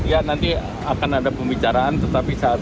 ya nanti akan ada pembicaraan tetapi saat